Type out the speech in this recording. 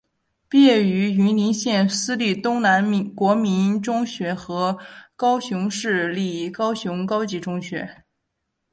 毕业于云林县私立东南国民中学和高雄市立高雄高级中学。